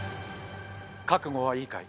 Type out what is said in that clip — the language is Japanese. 覚悟はいいかい？